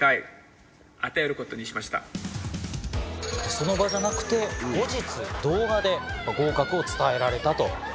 その場じゃなくて後日動画で合格を伝えられたと。